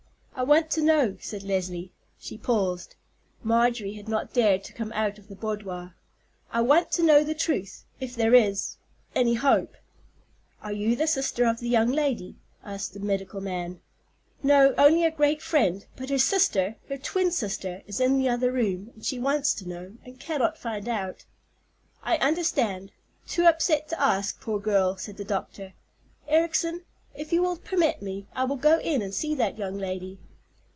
"I want to know," said Leslie—she paused. Marjorie had not dared to come out of the boudoir. "I want to know the truth—if there is—any hope?" "Are you the sister of the young lady?" asked the medical man. "No, only a great friend; but her sister, her twin sister, is in the other room, and she wants to know, and cannot find out." "I understand; too upset to ask, poor girl," said the doctor. "Ericson, if you will permit me, I'll go in and see that young lady."